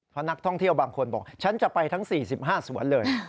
เพราะนักท่องเที่ยวบางคนบอกฉันจะไปทั้ง๔๕สวนเลย